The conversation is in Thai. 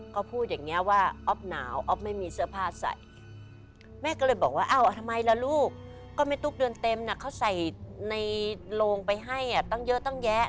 ก็พูดอย่างนี้ว่าอ๊อฟหนาวอ๊อฟไม่มีเสื้อผ้าใส่แม่ก็เลยบอกว่าอ้าวทำไมล่ะลูกก็แม่ตุ๊กเดือนเต็มเขาใส่ในโลงไปให้ตั้งเยอะตั้งแยะ